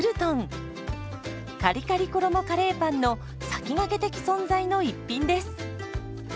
カリカリ衣カレーパンの先駆け的存在の一品です。